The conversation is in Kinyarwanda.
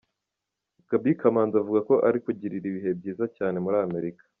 Gaby Kamanzi avuga ko ari kugirira ibihe byiza cyane muri Amerika.